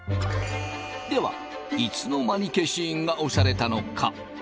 ではいつの間に消印が押されたのか？